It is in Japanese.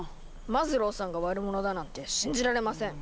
マズローさんが悪者だなんて信じられません。